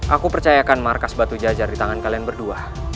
aku percayakan markas batu jajar di tangan kalian berdua